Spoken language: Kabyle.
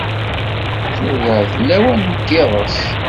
Tura d lawan n yiḍes.